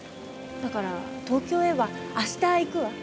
だから東京へは明日行くわ。